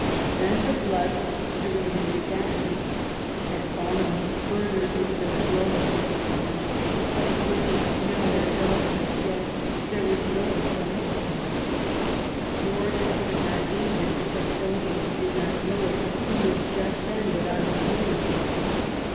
Then the Bloods during Mary's absence had fallen further into the Slough of Despond, out of which, now their daughter was dead, there was no one to help them, Oeorge could not aid them, because, though they did LIFE A8 G0VEBNE88. 45 not know it^ he was just then without employment.